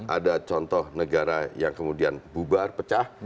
ada contoh negara yang kemudian bubar pecah